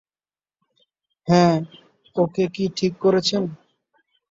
হ্যাঁঁ, ওকে- কি ঠিক করেছেন?